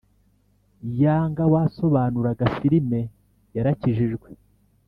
Yanga wasobanuraga firme yarakijijwe